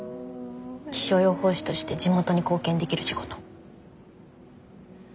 気象予報士として地元に貢献できる仕事。